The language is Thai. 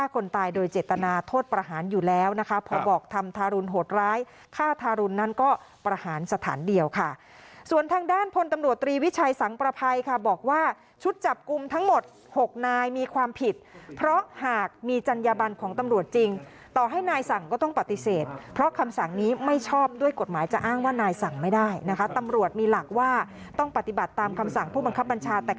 ก็ประหารสถานเดียวค่ะส่วนทางด้านพลตำรวจตรีวิชัยสังประภัยค่ะบอกว่าชุดจับกลุ่มทั้งหมดหกนายมีความผิดเพราะหากมีจัญญาบันของตำรวจจริงต่อให้นายสั่งก็ต้องปฏิเสธเพราะคำสั่งนี้ไม่ชอบด้วยกฎหมายจะอ้างว่านายสั่งไม่ได้นะคะตำรวจมีหลักว่าต้องปฏิบัติตามคำสั่งผู้บังคับบัญชาแต่